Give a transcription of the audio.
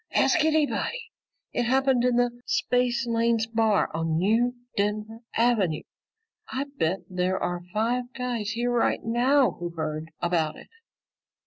Ask anybody. It happened in the Spacelanes Bar on New Denver Avenue. I bet there are five guys here right now who heard about it!"